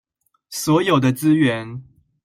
所有的資源